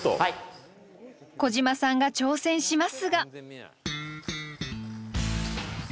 小島さんが挑戦しますが。